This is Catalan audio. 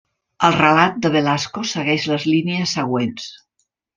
El relat de Velasco segueix les línies següents.